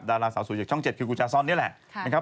ดาราสาวสูงจากช่อง๗คือกุญญาซอนเนี่ยแหละ